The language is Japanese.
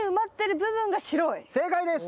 正解です！